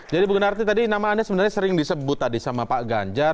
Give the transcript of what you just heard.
jadi bu gunarti tadi nama anda sebenarnya sering disebut tadi sama pak ganjar